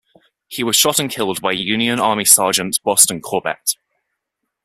He was shot and killed by Union Army Sergeant Boston Corbett.